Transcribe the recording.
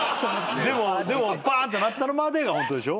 でもぱーんってなったのまでがホントでしょ？